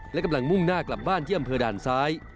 และกำลังมุ่งหน้ากลับบ้านที่อำเภอด่านซ้าย